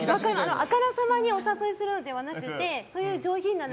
あからさまにお誘いするのではなくてそういう上品な。